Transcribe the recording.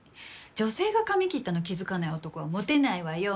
女性が髪切ったの気付かない男はモテないわよ。